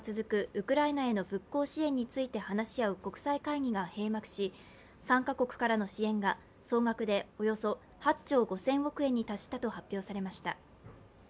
ウクライナへの復興支援について話し合う国際会議が閉幕し、参加国からの支援が総額でおよそ８兆５０００億円に達したと発表されました。